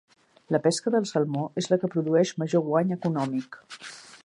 La pesca del salmó és la que produeix major guany econòmic.